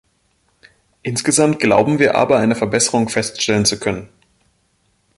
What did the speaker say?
Insgesamt glauben wir aber, eine Verbesserung feststellen zu können.